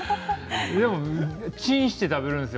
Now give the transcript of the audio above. チンして食べるんですよ